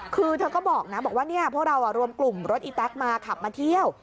คือเธอก็บอกนะบอกว่าพวกเรารวมกลุ่มรถอีแต๊กมาขับมาเที่ยว